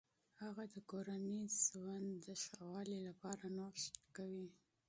هغه د کورني ژوند د ښه والي لپاره نوښت کوي.